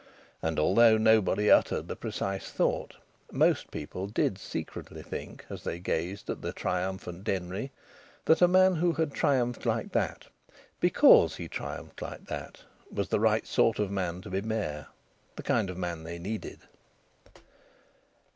And although nobody uttered the precise thought, most people did secretly think, as they gazed at the triumphant Denry, that a man who triumphed like that, because he triumphed like that, was the right sort of man to be mayor, the kind of man they needed.